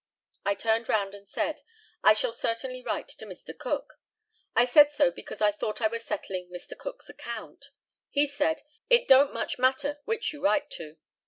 I turned round and said, "I shall certainly write to Mr. Cook." I said so because I thought I was settling Mr. Cook's account. He said, "It don't much matter which you write to."